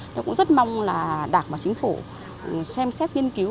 nên cũng rất mong là đạt vào chính phủ xem xét nghiên cứu